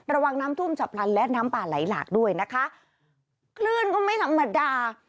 ระวังน้ำท่วมฉับพลันและน้ำป่าไหลหลากด้วยนะคะคลื่นก็ไม่ธรรมดา